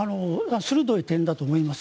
鋭い点だと思います。